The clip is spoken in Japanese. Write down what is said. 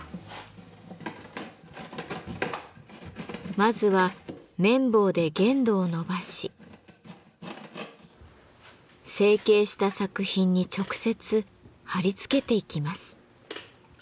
まずは麺棒で原土を延ばし成形した作品に直接貼り付けていきます。